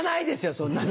そんなの。